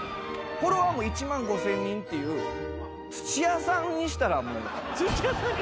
フォロワーも１万５，０００人っていう土屋さんにしたらもう。